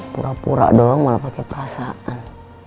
pura pura doang malah pakai perasaan